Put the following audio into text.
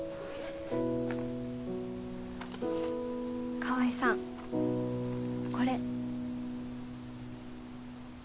川合さんこれ。